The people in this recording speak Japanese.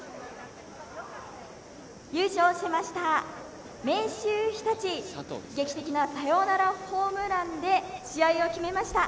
優勝しました、明秀日立劇的なサヨナラホームランで試合を決めました。